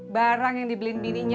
barang yang dibeliin bininya